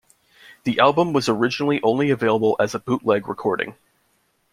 The album was originally only available as a bootleg recording.